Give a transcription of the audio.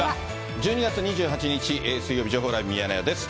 １２月２８日水曜日、情報ライブミヤネ屋です。